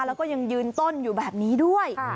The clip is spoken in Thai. แล้วก็ยังยืนต้นอยู่แบบนี้ด้วย